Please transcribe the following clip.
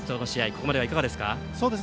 ここまではいかがですか？